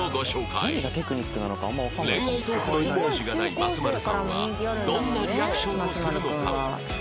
恋愛トークのイメージがない松丸さんはどんなリアクションをするのか？